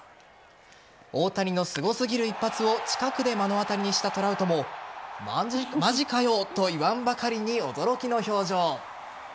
大谷のすごすぎる一発を近くで目の当たりにしたトラウトもマジかよと言わんばかりに驚きの表情。